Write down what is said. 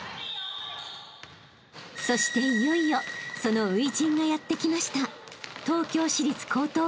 ［そしていよいよその初陣がやって来ました］